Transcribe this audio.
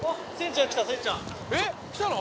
「えっ来たの？」